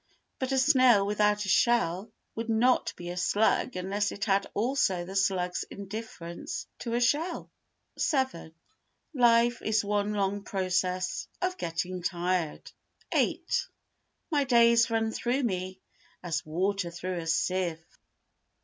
But a snail without a shell would not be a slug unless it had also the slug's indifference to a shell. vii Life is one long process of getting tired. viii My days run through me as water through a sieve.